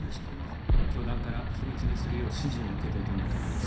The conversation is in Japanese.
教団から秘密にするよう指示を受けていたんだと思います。